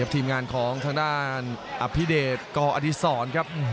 ทีมงานของทางด้านอภิเดศกอดิสร